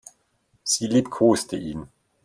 Sie liebkoste ihn.